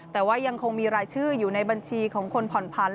แต่ว่ายังคงมีรายชื่ออยู่ในบัญชีของคนผ่อนพันธ